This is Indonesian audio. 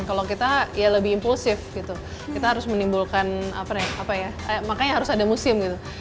kalau kita ya lebih impulsif gitu kita harus menimbulkan apa ya apa ya makanya harus ada musim gitu